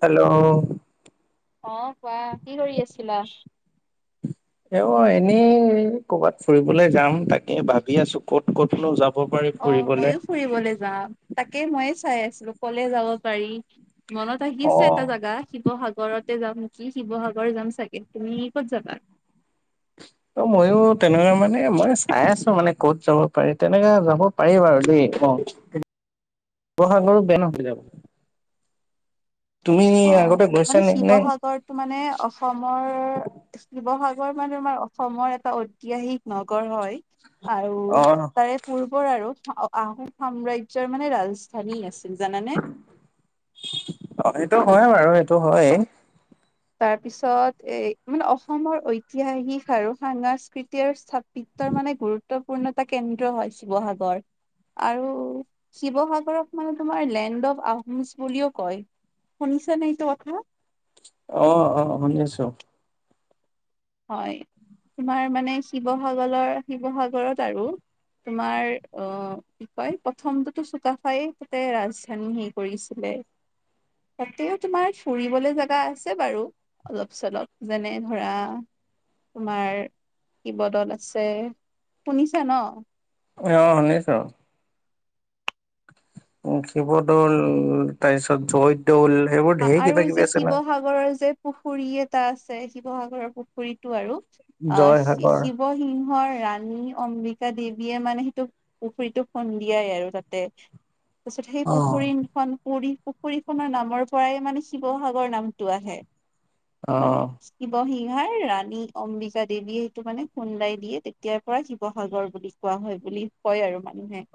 Hello অ কোৱা কি কৰি আছিলা এ অ এনেই কৰ'বাত ফুৰিবলৈ যাম তাকে ভাবি আছো ক'ত ক'তনো যাম অ ময়ো ফুৰিবলৈ যাম তাকে ময়ে চাই আছিলো কলে যাব পাৰি মনত অ আহিছে এটা জাগা শিৱসাগৰত তে যাম নেকি শিৱসাগৰ যাম চাগে তুমি ক'ত যাবা অ মইও তেনেকুৱা মানে মই চাই আছো মানে কত যাব পাৰি তেনেকে যাব পাৰি বাৰু দেই অ শিৱসাগৰ বেয়া নহয় যাব তুমি অ আগতে গৈছা মানে নে নে শিৱসাগৰটো মানে অসমৰ শিৱসাগ ৰ তোমাৰ অসমৰ এটা ঐতিহাসিক নগ গৰ হয় আৰু অ তাৰে পূৰ্বৰ আৰু আ আহোম সাম্ৰাজ্যয়ৰ মানে ৰাজধানী আছ জানানে অ সেইটো হয় বাৰু এইটো হয় তাৰপিছত এ মানে অসমৰ ঐতিহাসিক আৰু সাংস্কৃতিৰ স্থাপিত মানে গুৰুত্বপূৰ্ণ এটা কেন্দ্ৰ হয় শিৱসাগৰ আৰু শিৱসাগৰক মানে তোমাৰ লেণ্ড অফ আহোমছ বুলিও কয় শুনিছা নে এইটো কথা অ অ শুনি আছো হয় তোমাৰ মানে শিৱসাগৰৰ শিৱসাগৰত আৰু তোমাৰ অ কি কয় প্ৰথমটোতো চুকাফাই তাতে ৰাজধানী হেৰী কৰিছিলে তে তাতেও তোমাৰ ফুৰিবলে জেগা আছে বাৰু অলপ চলপ যেনে ধৰা তোমাৰ কীবৰ্ডত আছে শুনিছা ন অ শুনিছো উ শিৱদৌল তাৰপিছত জয়দৌল সেইবোৰ ঢেৰ কিবা আৰু কিবি যে আছে ন শিৱসাগৰৰ যে পুখুৰী এটা আছে শিৱসাগৰৰ পুখুৰীটো আৰু অ জয়সাগৰ শিৱসিংহৰ ৰাণী অম্বিকা দেৱীয়ে মানে সেইটো পুখুৰীটো খন্দিয়াই আৰু তাতে তাৰ পিছত সেই অ পুখুৰীখন পুুৰী পুখুৰীখনৰ নামৰ পৰাই মানে শিৱসাগৰ নামতটো আহে মানে অ শিৱসিং হাৰ ৰাণী অম্বিকা দেৱীয়ে সেইটো মানে খোন্দাই দিয়ে তেতিয়াৰ পৰা শিৱসাগৰ বুলি কোৱা হয় বুলি কয় আৰু মানে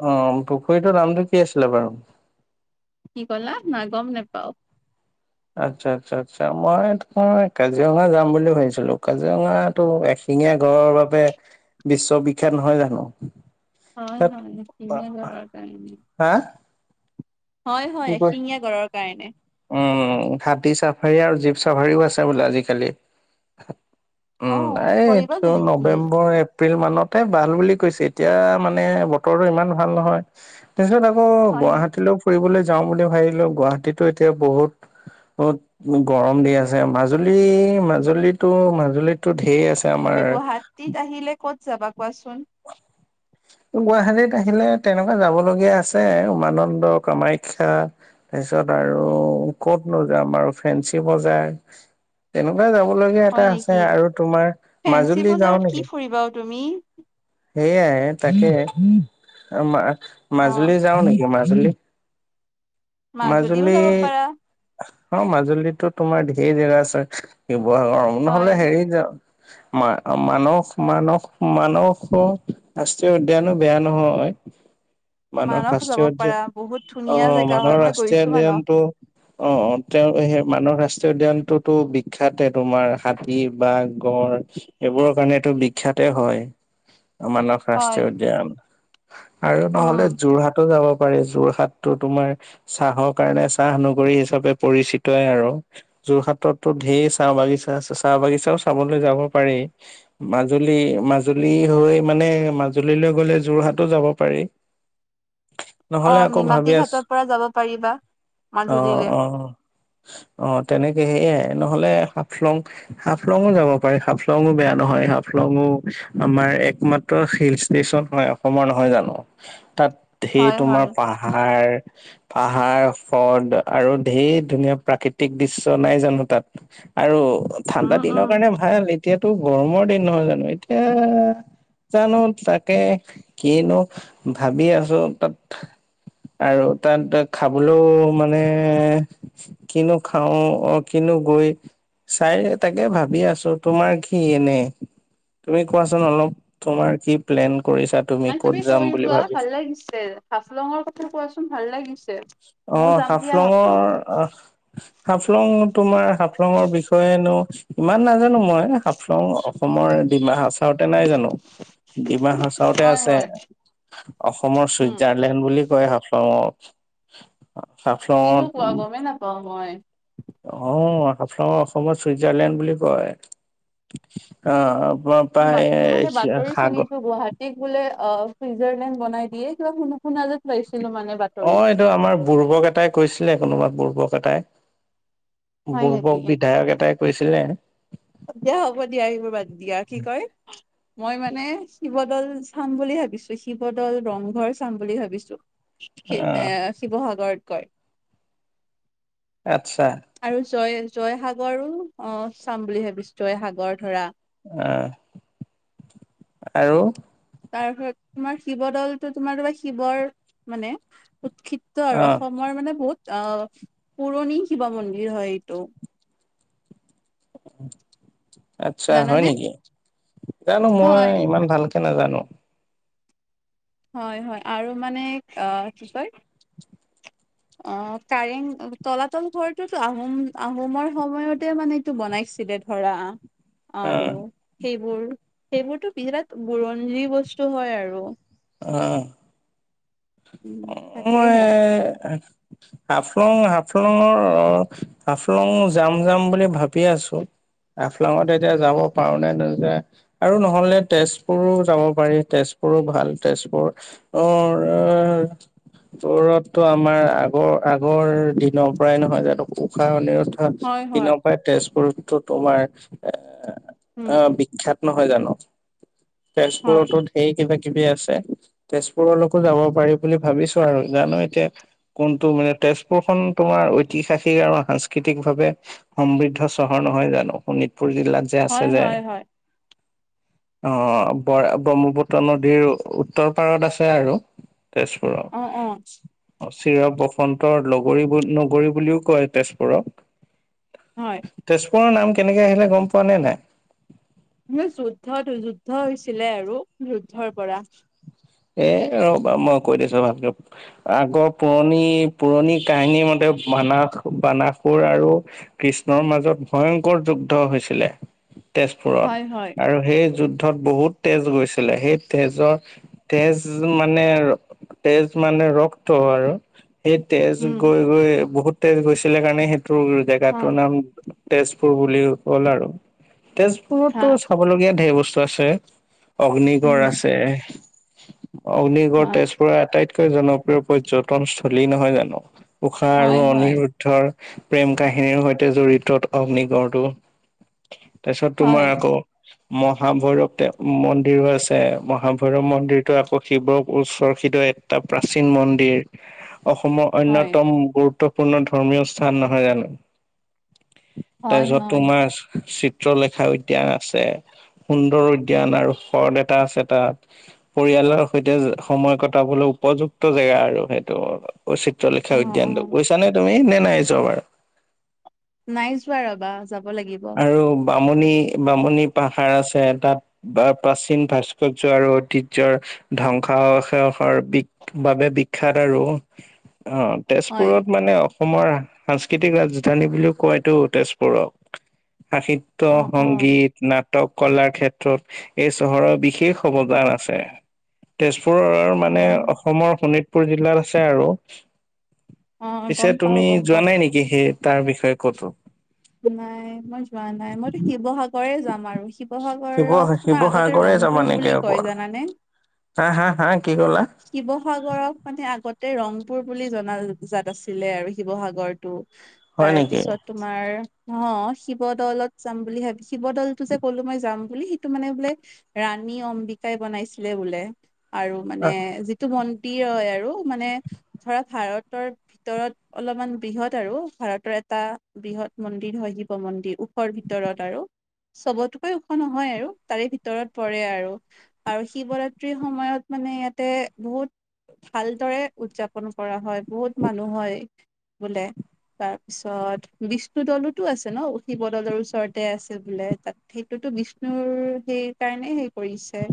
অ পুখুৰীটোৰ নামটো কি আছিলে বাৰু কি কলা নাই গম নেপাও আচ্ছা আচ্ছা আচ্ছা মই তোমাৰ কাজিৰঙা যাম বুলি ভাবিছিলো কাজিৰঙাটো এশিঙীয়া গঁড়ৰৰ বাবে বিশ্ববিখ্যয়াত নহয় জানো হয় তাত হয় এঙীয়া গড়ৰৰ কাৰণে বি হা কি কয় গঁড়ৰ কাৰণে। উম হাতী চাফাৰী আৰু যি চাভাৰিও আছে বোলে আজিকালি অ উম এই কৰিবা এইটো জানো তুমি? নৱেম্বৰ এপ্ৰিল মানতে ভাল বুলি কৈছে এতিয়া মানে বতৰটো ইমান ভাল নহয় তাৰপিছত আকৌ হয় নেকি? গুৱাহাটীলৈ ফুৰিবলৈ যাওঁ বুলি ভাবিলো গুৱাহাটীতো এতিয়া বহুত উত গৰম দি আছে মাজুলী মাজুলীতটো মাজুলীতো ঢেৰ আছে আমাৰ তুমি গুৱাহাটীত আহিলে ক'ত যাবা কোৱাচোন গুৱাহাটীত আহিলে তেনেকুৱা যাবলগীয়া আছে উমানন্দ কামাখ্যা তাৰপিছত আৰু ক'ত নোযাম আৰু ফেঞ্চি বজাৰ তেনেকা কিবা যাব লগীয়া এটা হয় আছে নেকি? আৰু তোমাৰ ফেঞ্চি মাজুলী যাও বজাৰত কি নেকি ফুৰিবা অ তুমি? সেইয়াই তাকে অ মাজুলী যাও নেকি মাজুলী মাজুলীও মাজুলী যাব পাৰা অ মাজুলিটো তোমাৰ ঢেৰ জেগা আছে শিৱসাগৰ হয়। নহলে হেৰি যাও ম মানস মানস মানস ৰাষ্ট্ৰীয় উদ্যানো বেয়া নহয় মানস মানস যাব ৰাষ্ট্ৰীয় পাৰা বহুত ধুনীয়া অহ জেগা মানস হয় মই গৈছো মানস। ৰাষ্ট্ৰীয়উদ্যানটো অ তেওঁ সেই মানহ ৰাষ্ট্ৰীয়উদ্যানটো বিখ্যাতে তোমাৰ হাতী বাঘ গড় এইবোৰৰ কাৰণেটো বিখ্যাতে হয় মানৱ হয় ৰাষ্ট্ৰীয় উদ্যান আৰু নহলে উম। যোৰহাটতো যাব পাৰি যোৰহাতটো তোমাৰ চাহৰ কাৰণে চাহ নগৰী হিচাপে পৰিচিতয় আৰু যোৰহাটতো ঢেৰ চাহ বাগিচা [unintelligible] চাহ বাগিচাও চাবলৈ যাব পাৰি মাজুলী মাজুলী হৈ মানে [unintelligible] মাজুলীলৈ গলে যোৰহাটো যাব পাৰি অ নহলে আকৌ নিমাতী ভাবি আছো ঘাটৰ পৰা যাব পাৰিবা। অ মাজুলীলে অ অ তেনেকে সেইয়াই নহলে হাফলং হাফলং যাব পাৰি হাফলং বেয়া নহয় হাফলং ও আমাৰ একমাত্ৰ হিল ষ্টেচন হয় অসমৰ নহয় জানো তাত সেই হয় তোমাৰ হয় পাহাৰ পাহাৰ ফদ আৰু ঢেৰ ধুনীয়া প্ৰাকৃতিক দৃশ্য নাই জানো তাত আৰু ঠাণ্ডা উম দিনৰ উম। কাৰণে ভাল এতিয়াতো গৰমৰ দিন নহয় জানো এতিয়া জানো তাকে কিনো ভাবি আছো তাত [unintelligible] আৰু তাত তাত খাবলৈও মানে কিনো খাওঁ অ কিনো গৈ [unintelligible] চাই তাকে ভাবি আছো, তোমাৰ কি এনে তুমি কোৱাচোন অলপ তোমাৰ কি প্লেন কৰিছা নাই ক'ত তুমি যাম কৈ বুলি লোৱা ভাবিছা ভাল লাগিছে হাফলঙৰ কথা কোৱাচোন ভাল লাগিছে। অৱ ময়ো যাম দিয়া হাফলঙৰ হাফলং আহ হাফলং তোমাৰ হাফলঙৰ বিষয়েনো ইমান নাজানো মই হাফলং অসমৰ ডিমা হাচাৰতে নাই জানো। ডিমা হাচৰতে হয় আছে। হয় অসমৰ উম। চুইজাৰলেণ্ড বুলি ক [unintelligible] ক হাফলঙত। কিনো কোৱা গমেই নাপাওঁ মই অৱ হাফলংক অসমৰ চুইজাৰলেণ্ড বুলি কয় আহ মই মানে বাতৰি শুনিছো গুৱাহাটীক বোলে অৱ [unintelligible] চুইজাৰলেণ্ড বনাই দিয়ে কিবা শুনা যেন পাইছোঁ। অ এইটো আমাৰ বুৰ্বক এটাই কৈছিলে কোনোবাক বুৰ্বক এটাই। [unintelligible] হয় নেকি বূ্বক বিধায়ক এটাই কৈছিলে দিয়া হ'ব দিয়া আহিব ব দিয়া কি কয় মই মানে শিৱত [unintelligible] দল চাম বুলি ভাবিছো শিৱদল ৰংঘৰ চাম বুলি ভাবিছো। এ অ', শিৱসাগৰত গৈ [unintelligible] আচ্ছা আৰু জয় জয়সাগৰো অ চাম বুলি ভাবিছোঁ জয়সাগৰ ধৰা আহ, আৰু তাৰপৰত তোমাৰ শিৱদলটো তোমাৰ শিৱৰ মানে [unintelligible] উৎক্ষিপ আৰু অ', অসমৰ মানে বহুত আহ পুৰণি শিৱ মন্দিৰ হয় এইটো। [unintelligible] আচ্ছা হয় জানানে? নেকি জানো মই হয় ইমান ভালকে নাজানো। [unintelligible] হয় হয় আৰু মানে কি কয় অৱ কাৰেং তলাতল ঘৰটোতো আহোম আহোমৰ সময়তে মানে এইটো বনাই আহ [unintelligible] [inaudible] বোৰ সেইবোৰতো বিৰাট বুৰঞ্জী বস্তু হয় আৰু [unintelligible] অৱ উম ময় তাকেহে এ, হাফ হাফলং হাফলঙৰ হাফলং জাম জাম বুলি ভাবি আছো। হাফলাঙত এতিয়া যাব পাৰোনে ন যে আৰু নহলে তেজপুৰো যাব পাৰি তেজপুৰ ভাল তেজপুৰ অৱ [unintelligible] দৰতটো আমাৰ আগৰ আগৰ দিনৰ পৰাই নহয় জানো উশাহ অনিৰুদ্ধ হয় হয় দিনৰ পৰা তেজপুৰতত তোমাৰ, উম এ বিখ্যাত নহয় জানো হয় তেজপুৰতো ধেই কিবা কিবি আছে তেজপুৰৰত যাব পাৰি বুলি ভাবিছো আৰু জানো এতিয়া কোনটো মানে তেজপুৰ খন তোমাৰ ঐতিহাসিক আৰু সাংস্কৃতিক ভাৱে সমৃদ্ধ চহৰ নহয় জানো শুনিত। পুৰ জিলাত যে আছে হয় যে হয় হয় অৱ ব্ৰহ্মপুত্ৰ নদীৰ উত্তৰ পাৰত আছে আৰু তেজপুৰৰ অ অ চিৰ বসন্তৰ লগৰী নগৰী বুলিও কয় তেজপুৰক হয়। কৰ নাম কেনেকে আহিলে গম পোৱা নে নাই। উ যুদ্ধত যুদ্ধ হৈছিলে আৰু যুদ্ধৰ পৰা। এ ৰবা মই কৈ দিছো ভালকে আগৰ পুৰণি পুৰণি কাহিনী মতে বানাস বানাসুৰ আৰু কৃষ্ণৰ মাজত ভয়ংকৰ যুদ্ধ হৈছিলে। তেজপুৰত হয় হয় আৰু সেই যুদ্ধত বহুত তেজ গৈছিলে সেই তেজৰ তেজ মানে তেজ মানে ৰক্ত আৰু সেই তেজ উম গৈ গৈ বহুত তেজ গৈছিলে কাৰণে সেইটো হা জেগাটোৰ নাম। তেজপুৰ বুলি হ'ল আৰু হা তেজপুৰতো চাবলগীয়া ঢেৰ বস্তু আছে। অগ্নিগড় উম আছে, হা অগ্নিগড় তেজপুৰৰ আটাইত কৈ জনপ্ৰিয় পৰ্যটনস্থলী নহয় জানো, উষা আৰু হয় হয় অনিৰুদ্ধৰ প্ৰেম কাহিনীৰ সৈতে জড়িত অগ্নিগড়টো। তাৰপিছত তোমাৰ হয় আকৌ মহাভৈৰৱ মন্দিৰো আছে, মহাভৈৰৱ মন্দিৰ টো আকৌ শিৱ উৎসৰষিত এটা প্ৰাচীন মন্দিৰ। অসমৰ হয় অন্যতম গুৰুত্বপূৰ্ণ ধৰ্মীয় স্থান নহয় জানো। হয় তাৰপিছত হয় তোমাৰ চি চিত্ৰলেখা উদ্যান আছে, সুন্দৰ উদ্যান আৰু শৰদ এটা আছে তাত। পৰিয়ালৰ সৈতে সময় কটাবলৈ উপযুক্ত জেগা আৰু সেইটো। ঐ অ চিত্ৰলেখা অ উদ্যানটো, গৈছা নে তুমি নে নাই যোৱা বাৰু। নাই যোৱা ৰ'বা, যাব লাগিব। বামূনী-বামূণী পাহাৰ আছে তাত বা প্ৰাচীন ভাস্কৰ্য আৰু ঐতিহ্যৰ ধ্বংসাৱশেষৰ বি বাবে বিখ্যাত আৰু। অ' হয় তেজপুৰক মানে অসমৰ সাংস্কৃতিক ৰাজধানী বুলিও কয় টো, তেজপুৰক। সাহিত্য, অ অ সংগীত নাট নাট কলাৰ ক্ষেত্ৰত এই চহৰৰ বিশেষ অৱদান আছে, তেজপ পুৰৰ মানে হয় হয় অসমৰ শোণিতপুৰ জিলাত আছে আৰু। অ গম পিছে পাও তুমি গম যোৱা পাও নাই নেকি সেই তাৰ বিষয়ে ক'তো। নাই মই যোৱা নাই, মইতো শিৱসাগৰে যাম আৰু শিৱসাগ শিৱ কৰক তোমাৰ আগতে শিৱসাগৰে যাবা ৰংপুৰ নেকি বুলি কয় অকল? জানানে। হা হা হা কি ক'লা? শিৱসাগৰক মানে আগ অতে ৰংপুৰ বুলি জনা জাত আছিলে আৰু শিৱসাগৰটো। হয় তাৰে নেকি? পিছত তোমাৰ অ' শিৱ দলত যাম বুলি ভাবি, শিৱ দলটো যে ক'লো মই যাম বুলি সিটো মানে বোলে ৰা ৰাণী অম্বিকাই বনাইছিলে বোলে, আৰু মানে যিটো মন দিৰ হয় আৰু মানে ধৰা ভাৰতৰ ভিতৰত অলপমান বৃহৎ আৰু ভাৰতৰ এ এটা বৃহৎ মন্দিৰ হয় শিৱ মন্দিৰ, ওখৰ ভিতৰত আৰু। চবতকৈ ওখ নহয় আৰু তাৰে ভিতৰত পৰে আৰু-আৰু শিৱৰাত্ৰিৰ সময়ত মানে ইয়াতে বহুত ভালদৰে উদযাপন কৰা হয় বহুত মানুহ হয় বোলে। তাৰপিছত বিচ বিষ্ণুদলোতো আছে ন শিৱদলৰ ওচৰতে আছে বোলে, তাত সেইটোতো বিষ্ণুৰ সেই কাৰণে হেই কৰিছে।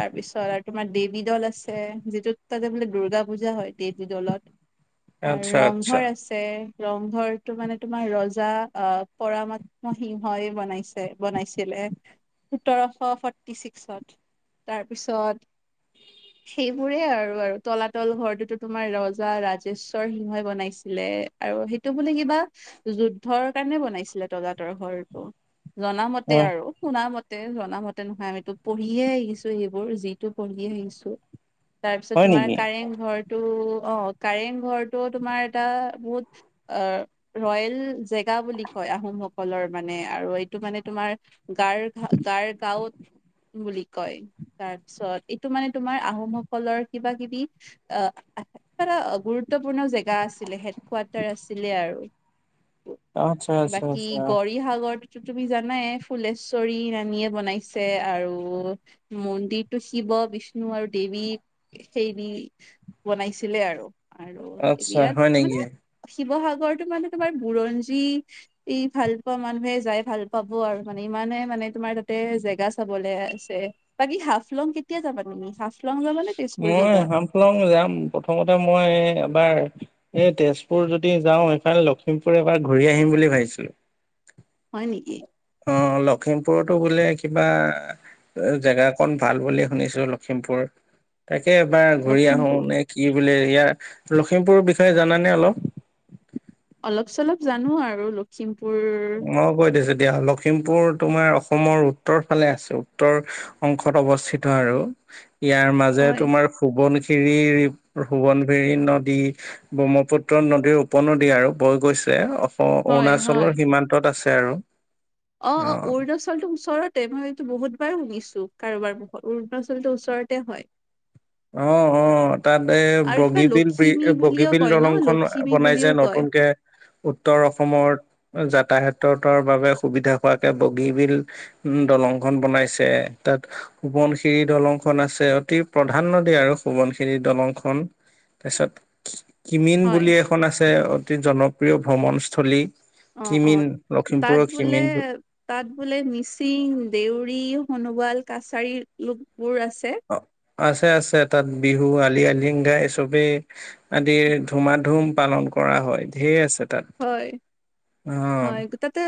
তাৰপিছত আৰু তোমাৰ দেৱী দল আছে, যিটোত তাতে বোলে দুৰ্গা পূজা হয় দেৱী দলত। আৰু আচ্ছা আচ্ছা ৰংঘৰ আছে, ৰংঘৰটো মানে তোমাৰ ৰজা আ, পৰামাত্ম সিংহই বনাইছে বনাইছিলে। সোতৰশ ফৰ্টি ছিক্সত, তাৰপিছত সেইবোৰে আৰু- আৰু তলাতল ঘৰটোতো তোমাৰ ৰজা ৰাজেশ্বৰ সিংহই বনাইছিলে। এ আৰু সেইটো বোলে কিবা যুদ্ধৰ কাৰণে বনাইছিলে তলাতৰ ঘৰটো, জনা অ মতে আৰু শুনা মতে তে জনা মতে নহয়, আমিতো পঢ়িহে আহিছো সেইবোৰ যিটো পঢ়ি আহিছো। তাৰ পিছত হয় তোমাৰ নেকি? কাৰেং ঘৰটো অ', কাৰেং ঘৰটো তোমাৰ এটা বহুত অ ৰয়েল জেগা বুলি কয়, আহোমসকলৰ মানে আৰু এইটো মানে তোমাৰ গাৰ গাৰগাঁৱত বুলি কয়, তাৰপিছত এইটো মানে তোমাৰ আহোমসকলৰ কিবা কিবি আ কিবা এটা গুৰুত্বপূৰ্ণ জেগা আছিলে, হেড কোৱাৰ্টাৰ আছিলে আৰু। আচ্ছা আচ্ছা বাকী আচ্ছা গৌৰীসাগৰ তুমি জানাই ফুলেশ্বৰী ৰানীয়ে বনাইছে আৰু মন্দিৰটো শিৱ বিষ্ণু আৰু দেৱী সেই দি বনাইছিলে আৰু আৰু আচ্ছা হয় বিৰাট নেকি? মানে শিৱসাগৰত তো মানে তোমাৰ বুৰঞ্জী ই ভাল পোৱা মানুহে যাই ভাল পাব আৰু মানে ইমানে মানে মাৰ তাতে জেগা চাবলে আছে বাকী হাফলং কেতিয়া যাবা তুমি হাফ মই হামফলং যাম প্ৰথমতে মই এবাৰ এই তেজপুৰ যদি যাও এইফালে লখিমপুৰ এবাৰ ঘূৰি আহিম বুলি ভাবিছিলো হয় নেকি অ লখিমপুৰতো বোলে কিবা জেগা কন ভাল বুলি শুনিছো লখিমপুৰ তা তাকে এবাৰ ঘূৰি আহো লখিমপুৰ নে কি বোলে ইয়াৰ লখিমপুৰৰ বিষয়ে জানানে অলপ অলপ চলপ জানো আৰু লখিমপুৰ ম কৈ দিছো দিয়া লখিমপুৰ তোমাৰ অসমৰ উত্তৰ ফালে আছে উত্তৰ অংশত অৱস্থিত আৰু ইয়াৰ মাজে হয় তোমাৰ শুবন খিৰি সুৱনভিৰী নদী ব্ৰহ্মপুত্ৰ নদীৰ উপনদী আৰু বৈ গৈছে অ- হয় হয় ত আছে আৰু অ অ অৰুণাচলটো ওচৰতে মই এইটো বহুত- বাৰ শুনিছো কাৰোবাৰ মুত অৰুণাচলটোৰ ওচৰতে হয় অ অ অ তাত এ আৰু কিবা বগীবিল লখিমী বুলিও বগীবিল কয় ন দলং খন লখিমী বনাইছে বুলিও কয় নতুনকে উত্তৰ অসমৰ যা- যাতায়তৰ বাবে সুবিধা হোৱাকে বগী বিল উ দলংখন বনাইছে তাত সোৱনশিৰি দলংখন আছে অতি প্ৰ- ধান নদী আৰু সোবনখিনিৰ দলংখন তাৰছত কিমিন হয় বুলি এখন আছে অতি জনপ্ৰিয় ভ্ৰমণস্থলী অ অ কিমিন তাত লখিমপুৰৰ বোলে কিমিন তাত বোলে মিচিং দেউৰ সোণোৱাল কাছাৰীৰ লোকবোৰ আছে। আছে-আছে, তাত বিহু আলি-আলিংগা চবেই আদি ধুমা ধুম পালন ক কৰা হয়। ঢেৰ আছে তাত, হয়, অ'। হয়, তাতে